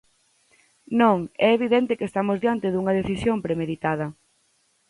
Non, é evidente que estamos diante dunha decisión premeditada.